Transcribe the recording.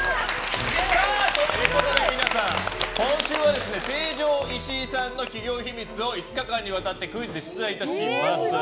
皆さん、今週は成城石井さんの企業秘密を５日間にわたってクイズで出題いたします。